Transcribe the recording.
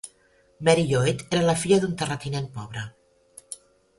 Mary Lloyd era la filla d'un terratinent pobre.